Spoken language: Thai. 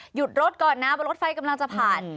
หยุดรถก่อนนะว่ารถไฟกำลังจะผ่าน